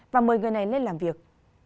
và mời người này lên làm việc